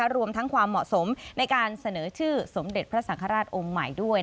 รวมทั้งความเหมาะสมในการเสนอชื่อสมเด็จพระสังฆราชองค์ใหม่ด้วย